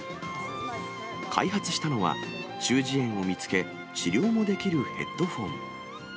開発したのは、中耳炎を見つけ、治療もできるヘッドホン。